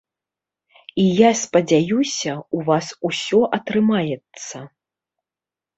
І я спадзяюся, у вас усё атрымаецца.